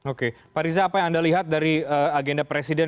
oke pak riza apa yang anda lihat dari agenda presiden